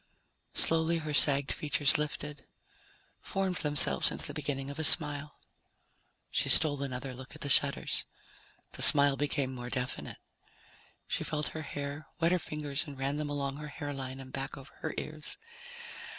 Slowly her sagged features lifted, formed themselves into the beginning of a smile. She stole another look at the shutters. The smile became more definite. She felt her hair, wet her fingers and ran them along her hairline and back over her ears.